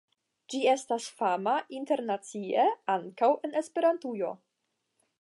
Ĝi estas fama internacie ankaŭ en Esperantujo.